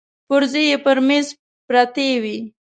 پرزې يې پر مېز پرتې وې.